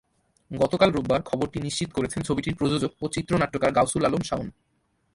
গতকাল রোববার খবরটি নিশ্চিত করেছেন ছবিটির প্রযোজক ও চিত্রনাট্যকার গাউসুল আলম শাওন।